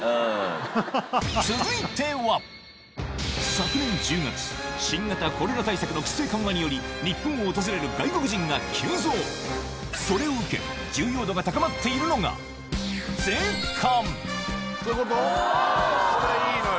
昨年１０月新型コロナ対策の規制緩和により日本を訪れる外国人が急増それを受けあこれいいのよ。